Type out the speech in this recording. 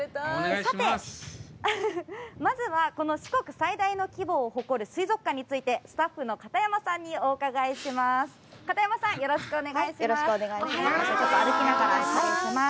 さて、まずはこの四国最大の規模を誇る水族館について、スタッフの片山さんにお伺いします。